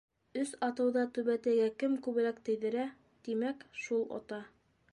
Өс атыуҙа түбәтәйгә кем күберәк тейҙерә, тимәк, шул ота.